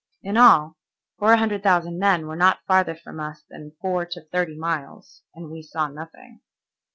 In all, four hundred thousand men were not farther from us than four to thirty miles and we saw nothing.